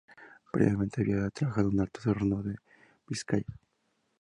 Previamente había trabajado en Altos Hornos de Vizcaya.